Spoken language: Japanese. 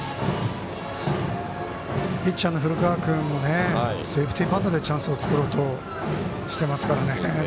ピッチャーの古川君もセーフティーバントでチャンスを作ろうとしてますからね。